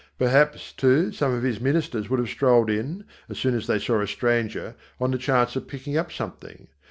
Perhaps, too, some of his ministers would have strolled in, as soon as they saw a stranger, on the chance of picking up something.